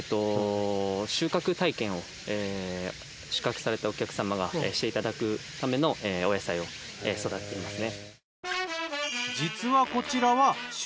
収穫体験を宿泊されたお客様がしていただくためのお野菜を育てていますね。